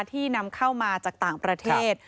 ที่นำเข้ามาจากต่างประเทศ